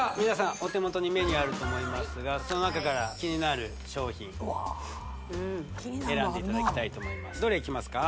皆さんお手元にメニューあると思いますがその中から気になる商品うわ気になるのあるな選んでいただきたいと思います